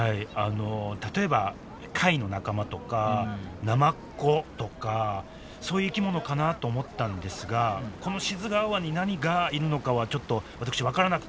例えば貝の仲間とかナマコとかそういう生き物かなと思ったんですがこの志津川湾に何がいるのかはちょっと私分からなくて。